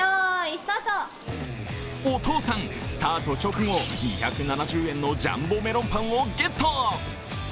お父さん、スタート直後２７０円のジャンボメロンパンをゲット。